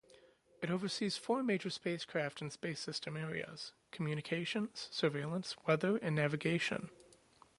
It oversees four major spacecraft and space system areas: communications, surveillance, weather, and navigation.